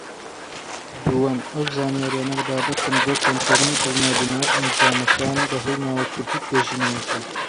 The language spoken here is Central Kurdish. دووەم، ئەو زانیاریانە بابەتن بۆ کەمکردنی دڵنیابوونەوە ئەنجامەکان بەهۆی ماوە کورتی توێژینەوەکە.